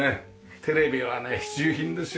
テレビはね必需品ですよね。